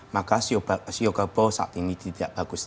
maka show kerbau saat ini tidak bagus